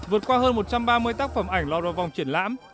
vượt qua hơn một trăm ba mươi tác phẩm ảnh lọt vào vòng triển lãm